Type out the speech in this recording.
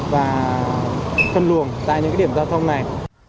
và phân luồng tại những điểm giao thông này